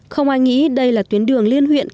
không ai nghĩ đây là tuyến đường liên huyện